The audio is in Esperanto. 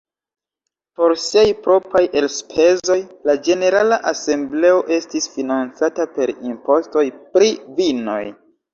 Por siaj propraj elspezoj, la ĝenerala Asembleo estis financata per impostoj pri vinoj.